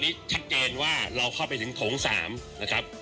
ถือค้าวไปตอนนี้ชัดเจนว่าเราเข้าไปถึงโถงสามนะครับ